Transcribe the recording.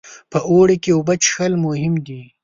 په اوړي کې اوبه څښل مهم دي.